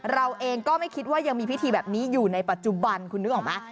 เราเองก็ไม่คิดว่ายังมีพิธีแบบนี้อยู่ในปัจจุบันคุณนึกออกไหม